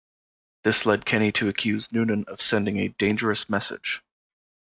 This led Kenny to accuse Noonan of sending a "dangerous message".